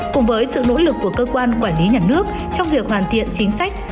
cùng với sự nỗ lực của cơ quan quản lý nhà nước trong việc hoàn thiện chính sách